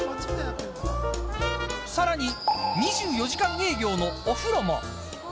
さらに２４時間営業のお風呂も。